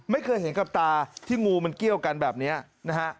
ไม่เคยเห็นกับตาที่งูมันเกี้ยวกันแบบนี้นะฮะ